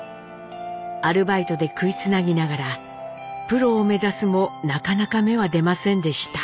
アルバイトで食いつなぎながらプロを目指すもなかなか芽は出ませんでした。